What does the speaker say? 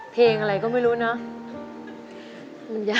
เพลงอะไรก็ไม่รู้เนอะ